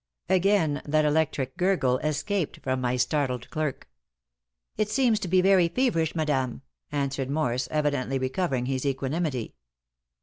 Again that electric gurgle escaped from my startled clerk. "It seems to be very feverish, madame," answered Morse, evidently recovering his equanimity.